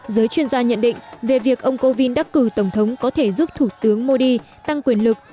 giới chuyên gia nhận định về việc ông kovin đắc cử tổng thống có thể giúp thủ tướng modi tăng quyền lực